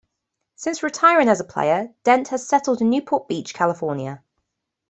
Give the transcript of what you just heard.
Since retiring as a player, Dent has settled in Newport Beach, California.